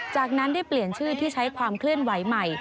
จากนั้นได้เปลี่ยนชื่อที่ใช้ความเคลื่อนไหวใหม่